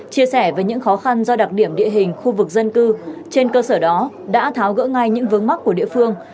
chia sẻ về những khó khăn do đặc điểm địa hình khu vực dân cư trên cơ sở đó đã tháo gỡ ngay những vướng mắt của địa phương